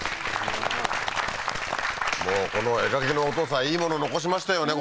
もうこの絵描きのお父さんいいもの残しましたよね